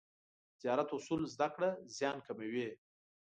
د تجارت اصول زده کړه، زیان کموي.